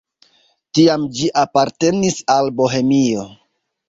Tiam ĝi apartenis al Bohemio.